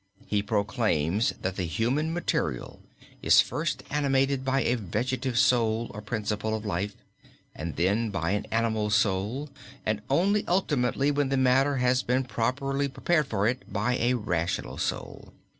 He proclaims that the human material is first animated by a vegetative soul or principle of life, and then by an animal soul, and only ultimately when the matter has been properly prepared for it by a rational soul.